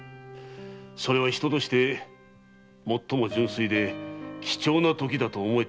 それは人として最も純粋で貴重なときだと思えるのだ。